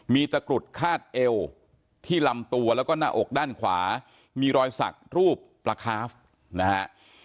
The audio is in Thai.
มีตะกรุดคาดเอวที่ลำตัวแล้วก็หน้าอกด้านขวามีรอยสักรูปปลาคาฟนะฮะ